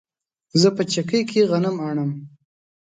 زه په چکۍ کې غنم اڼم